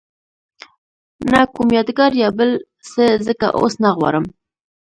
نه کوم یادګار یا بل څه ځکه اوس نه غواړم.